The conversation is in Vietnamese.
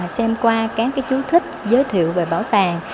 xem qua các chú thích giới thiệu về bảo tàng